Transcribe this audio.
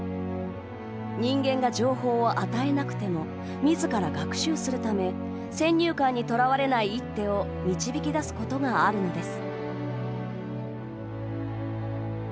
人間が情報を与えなくてもみずから学習するため先入観にとらわれない一手を導き出すことがあるのです。